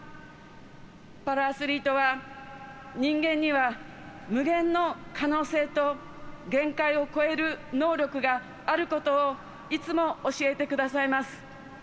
パラアスリートは人間には無限の可能性と限界を越える能力があることをいつも教えてくださいます。